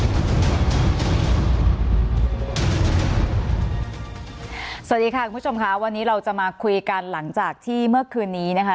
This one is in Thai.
สวัสดีค่ะคุณผู้ชมค่ะวันนี้เราจะมาคุยกันหลังจากที่เมื่อคืนนี้นะคะ